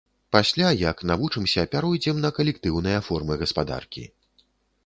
Пасля, як навучымся, пяройдзем на калектыўныя формы гаспадаркі.